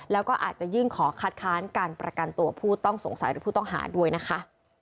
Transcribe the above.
แล้วก็อาจจะยื่นขอคัดค้านการประกันตัวผู้ต้องสงสัยหรือผู้ต้องหาด้วยนะคะ